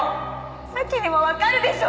咲にもわかるでしょ？